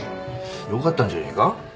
よかったんじゃねえか。